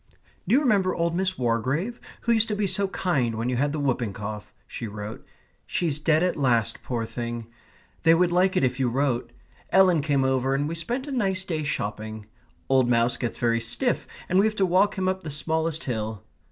"Do you remember old Miss Wargrave, who used to be so kind when you had the whooping cough?" she wrote; "she's dead at last, poor thing. They would like it if you wrote. Ellen came over and we spent a nice day shopping. Old Mouse gets very stiff, and we have to walk him up the smallest hill.